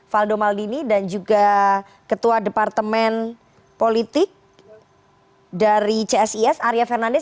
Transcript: faldo maldini dan juga ketua departemen politik dari csis arya fernandes